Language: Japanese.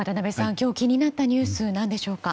今日気になったニュースは何でしょうか。